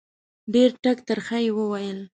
ډېر ټک ترخه یې وویل.